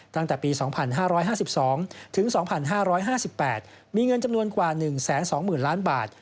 ตั้งแต่ปี๒๕๕๒ถึง๒๕๕๘มีเงินจำนวนกว่า๑๒๐๐๐ล้านบาท